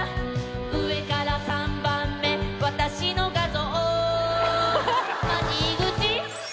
「上から３番目私の画像」「マジ井口」